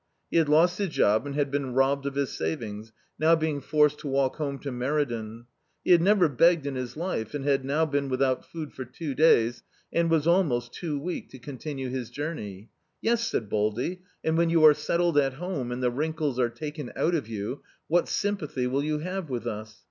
He had lost his job and had been robbed of his savings, now being forced to walk home to Meriden. He had never begged in his life, and had now been without food for two days, and was almost too weak to continue his journey. "Yes," said Baldy, "and when you are setded at home, and the wrinkles are taken out of you, what sympathy will you have with us?